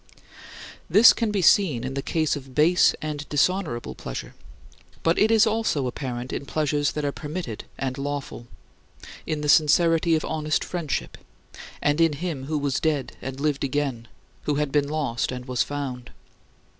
8. This can be seen in the case of base and dishonorable pleasure. But it is also apparent in pleasures that are permitted and lawful: in the sincerity of honest friendship; and in him who was dead and lived again, who had been lost and was found.